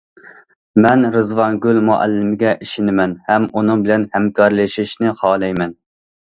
مەن رىزۋانگۈل مۇئەللىمگە ئىشىنىمەن ھەم ئۇنىڭ بىلەن ھەمكارلىشىشنى خالايمەن.